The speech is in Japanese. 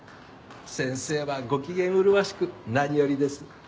先生はご機嫌麗しく何よりです。